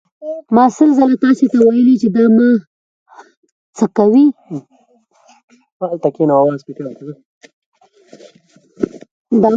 ما سل ځله تاسې ته ویلي چې دا مه څکوئ.